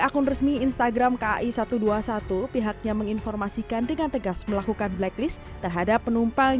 akun resmi instagram kai satu ratus dua puluh satu pihaknya menginformasikan dengan tegas melakukan blacklist terhadap penumpang